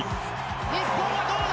日本はどうだ？